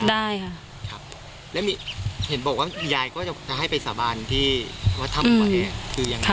ได้ค่ะครับแล้วเห็นบอกว่ายายก็จะให้ไปสาบานที่วัดถ้ำไหวคือยังไง